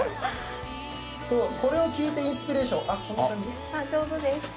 そう、これを聴いてインスピレーション。